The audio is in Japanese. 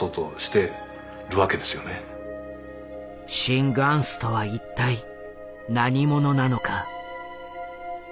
シン・グァンスとは一体何者なのか？